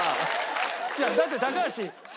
いやだって高橋。